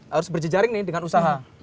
harus berjejaring nih dengan usaha